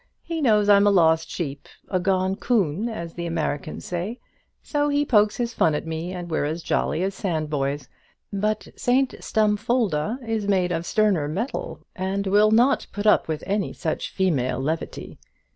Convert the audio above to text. He knows I'm a lost sheep a gone 'coon, as the Americans say so he pokes his fun at me, and we're as jolly as sandboys. But St Stumfolda is made of sterner metal, and will not put up with any such female levity.